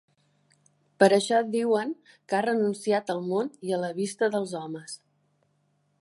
Per això diuen que ha renunciat al món i a la vista dels homes.